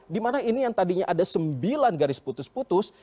dimana ini yang tadinya ada sembilan garis putus putus